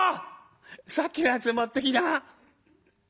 さっきのやつ持ってきな」。